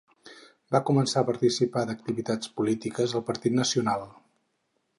Va començar a participar d'activitats polítiques al Partit Nacional.